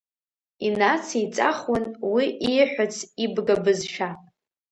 Инациҵахуан уи ииҳәац ибга бызшәа.